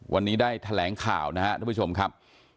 วันนี้ได้แถลงข่าวนะครับทุกผู้ชมครับ